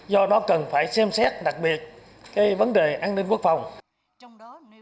do đó cần phải xem xét đặc biệt cái vấn đề an ninh quốc phòng